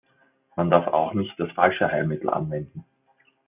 Man darf auch nicht das falsche Heilmittel anwenden.